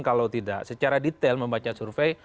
kalau tidak secara detail membaca survei